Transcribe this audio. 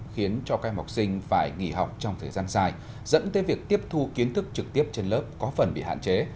khiến cho các em học sinh phải nghỉ học trong thời gian dài dẫn tới việc tiếp thu kiến thức trực tiếp trên lớp có phần bị hạn chế